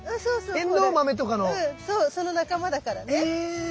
うんそうその仲間だからね。へ。